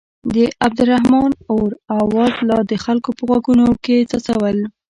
د عبدالرحمن اور اواز لا د خلکو په غوږونو کې څڅول.